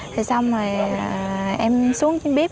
thì xong rồi em xuống trên bếp